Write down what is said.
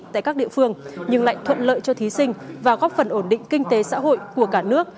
tại các địa phương nhưng lại thuận lợi cho thí sinh và góp phần ổn định kinh tế xã hội của cả nước